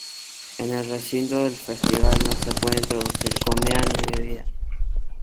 En el recinto del festival no se puede introducir comida ni bebida.